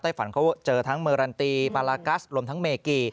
ฝันเขาเจอทั้งเมอรันตีปาลากัสรวมทั้งเมกี